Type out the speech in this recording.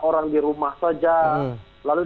orang di rumah saja lalu